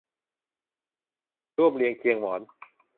ร่วมเรียงเคียงหมอน